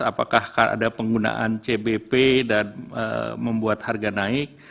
apakah karena ada penggunaan cbp dan membuat harga naik